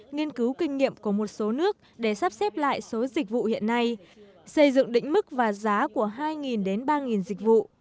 nghiên cứu kinh nghiệm của một số nước để sắp xếp lại số dịch vụ hiện nay xây dựng đỉnh mức và giá của hai đến ba dịch vụ